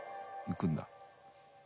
いくんだ。